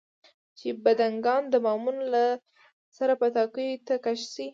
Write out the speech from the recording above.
چې بډنکان د بامونو له سره پټاکیو ته کش شي.